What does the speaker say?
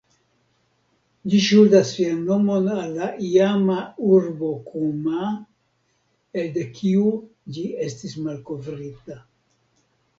Ĝi ŝuldas sian nomon al la iama urbo Kuma, elde kiu ĝi estis malkovrita.